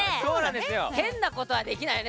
変なことはできないよね！